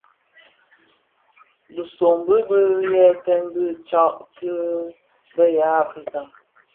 Bisobi bi yeten bi tsak ki be ya Afrika,